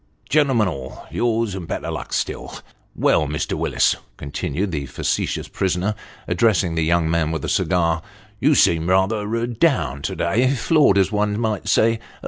Gentlemen all yours, and better luck still. Well, Mr. Willis," continued the facetious prisoner, addressing the young man with the cigar, " you seem rather down to day floored, ivs one may say.